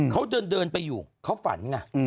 เขาเดินไปอยู่เขาฝันไง